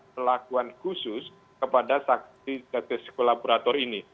perlakuan khusus kepada saksi justice kolaborator ini